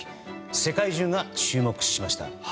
世界中が注目しました。